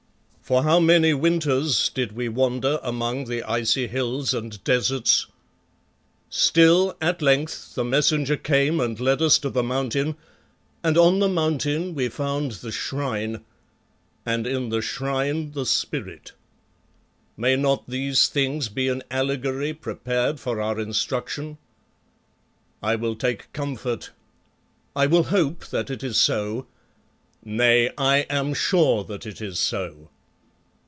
For how many winters did we wander among the icy hills and deserts! Still, at length, the Messenger came and led us to the Mountain, and on the Mountain we found the Shrine, and in the Shrine the Spirit. May not these things be an allegory prepared for our instruction? I will take comfort. I will hope that it is so. Nay, I am sure that it is so.